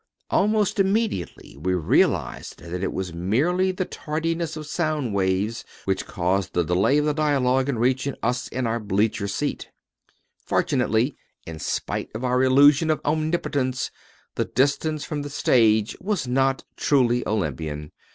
Almost immediately we realized that it was merely the tardiness of sound waves which caused the delay of the dialogue in reaching us in our bleacher seat. Fortunately, in spite of our illusion of omnipotence, the distance from the stage was not truly Olympian.